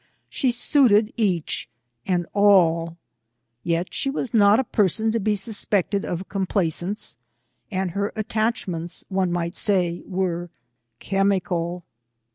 She suited each, and all. Yet, she was not a person to be suspected of complaisance, and her attachments, one might say, were chemical.